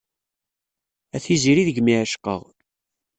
A tiziri deg-m i ɛecqeɣ.